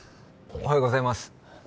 おはようございます